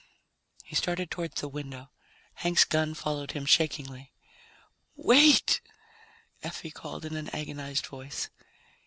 He started toward the window. Hank's gun followed him shakingly. "Wait!" Effie called in an agonized voice.